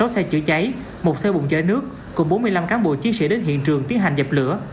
sáu xe chữa cháy một xe bụng chai nước cùng bốn mươi năm cán bộ chiến sĩ đến hiện trường tiến hành dập lửa